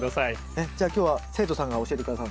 えっじゃあ今日は生徒さんが教えて下さるんですか？